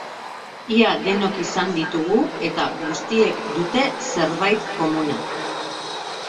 Ia denok izan ditugu, eta guztiek dute zerbait komuna.